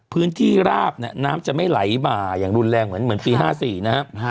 พื้นที่ราบน่ะน้ำจะไม่ไหลมาอย่างรุนแรงเหมือนเหมือนปีห้าสี่นะครับครับ